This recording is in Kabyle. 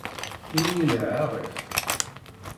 Imi yelha aɣ-it.